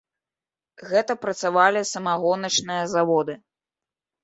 Гэта працавалі самагоначныя заводы.